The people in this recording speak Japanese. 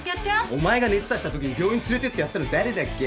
お前が熱出したときに病院連れてってやったの誰だっけ？